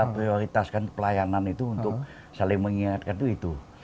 prioritaskan pelayanan itu untuk saling mengingatkan itu itu